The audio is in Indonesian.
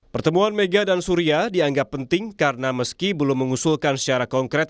pertemuan mega dan surya dianggap penting karena meski belum mengusulkan secara konkret